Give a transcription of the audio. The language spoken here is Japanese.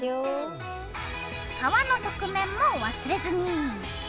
皮の側面も忘れずに。